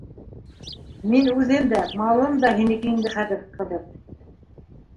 Минең үҙем дә, малым да һинеке инде хәҙер, ҡыҙым...